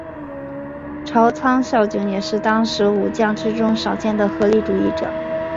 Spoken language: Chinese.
朝仓孝景也是当时武将之中少见的合理主义者。